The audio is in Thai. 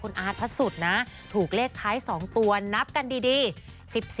คุณอาร์ดพัดสุดนะถูกเลขคล้าย๒ตัวนับกันดี